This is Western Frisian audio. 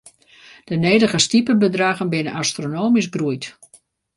De nedige stipebedraggen binne astronomysk groeid.